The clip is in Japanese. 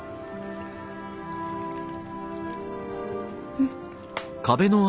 うん！